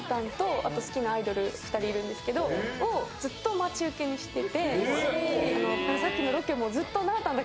あと好きなアイドル２人いるんですけど、ずっと待ち受けにしてて。